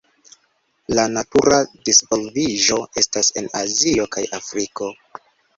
La natura disvolviĝo estas en Azio kaj Afriko.